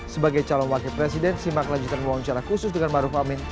sebagai calon wakil presiden simak lanjutan wawancara khusus dengan maruf amin